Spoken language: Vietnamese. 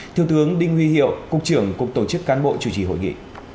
thiếu tướng đinh huy hiệu cục trưởng cục tổ chức cán bộ chủ trì hội nghị